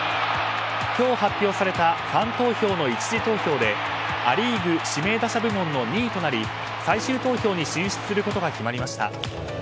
今日発表されたファン投票の１次投票でア・リーグ指名打者部門の２位となり最終投票に進出することが決まりました。